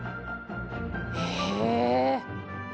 へえ。